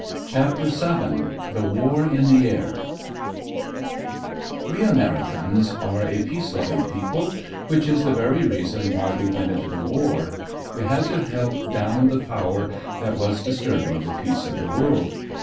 CHAPTER VII THE WAR IN THE AIR We Americans are a peace loving people, which is the very reason why we went into the war. We had to help down the power that was disturbing the peace of the world.